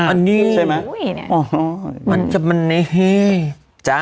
อันนี้เฮ้ยอ๋อมันจะเมนเฮจ๊ะ